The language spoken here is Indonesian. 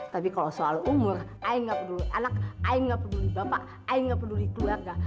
tapi kalau soal umur ayah nggak peduli anak ayah nggak peduli bapak ayah nggak peduli keluarga